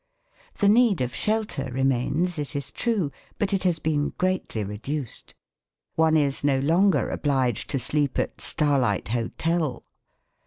The need of shelter remains, it is true, but it has been greatly reduced. One is no longer obliged to sleep at "starlight hotel".